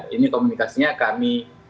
ini komunikasinya kami